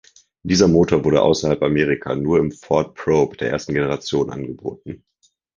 Dieser Motor wurde außerhalb Amerika nur im Ford Probe der ersten Generation angeboten.